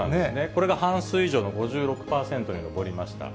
これが半数以上の５６％に上りました。